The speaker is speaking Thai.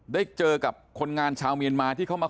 ได้เจอกับคนงานชาวเมียนมาที่เขามา